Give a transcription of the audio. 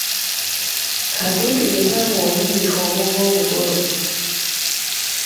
Kadudu ye taaba omunnyike omuva obugolo.